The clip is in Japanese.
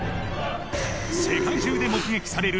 世界中で目撃される